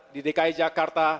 di dki jakarta